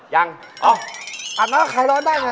ยังอ้ออาบน้ำคลายร้อนได้ไง